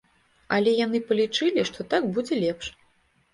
Але яны палічылі, што так будзе лепш.